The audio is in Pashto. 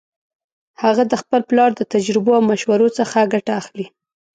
هغه د خپل پلار د تجربو او مشورو څخه ګټه اخلي